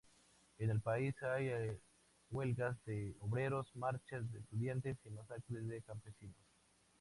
En el país hay huelgas de obreros, marchas de estudiantes y masacres de campesinos.